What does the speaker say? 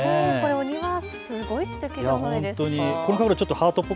お庭、すごいすてきじゃないですか。